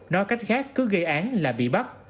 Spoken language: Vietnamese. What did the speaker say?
nói cách khác cứ gây án là bị bắt